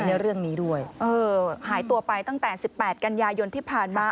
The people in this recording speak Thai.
ในเรื่องนี้ด้วยเออหายตัวไปตั้งแต่สิบแปดกันยายนที่ผ่านมา